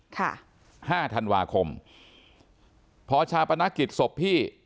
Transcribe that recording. ค่ะห้าธันวาคมพอชาปนกิจศพพี่